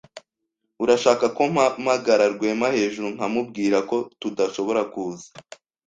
Urashaka ko mpamagara Rwema hejuru nkamubwira ko tudashobora kuza?